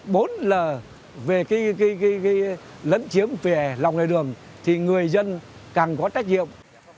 bốn là về cái lấn chiếm về lòng đại đường thì người dân càng có trách nhiệm